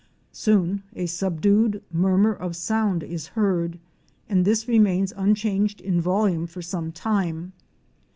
Soon a subdued murmur of sound is heard and this remains unchanged in volume for some time.